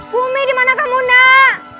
bumi dimana kamu nak